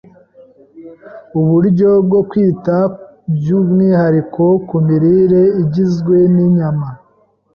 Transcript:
Uburyo bwo kwita by’umwihariko ku mirire igizwe n’inyama